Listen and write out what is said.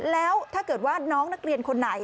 แล้วถ้าเกิดว่าน้องนักเรียนคนไหน